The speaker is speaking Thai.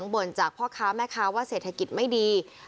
น้อยโอกน้อยใจ